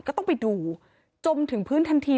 ก็ต้องไปดูจมถึงพื้นทันที